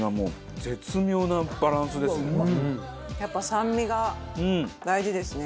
やっぱ酸味が大事ですね